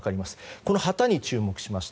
この旗に注目しました。